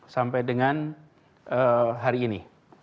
sampai dengan hari ini